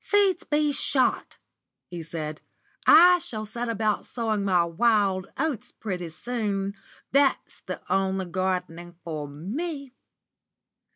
"Seeds be shot!" he said. "I shall set about sowing my wild oats pretty soon that's the only gardening for me!"